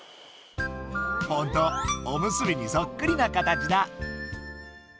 ほんとおむすびにそっくりな形だ。